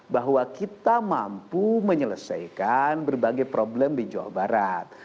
bahwa kita mampu menyelesaikan berbagai problem di jawa barat